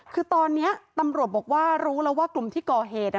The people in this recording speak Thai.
คือตอนนี้ตำรวจบอกว่ารู้แล้วว่ากลุ่มที่ก่อเหตุ